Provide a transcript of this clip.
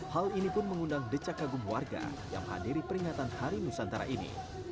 hal ini pun mengundang decak kagum warga yang menghadiri peringatan hari nusantara ini